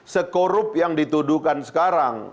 sekorup yang dituduhkan sekarang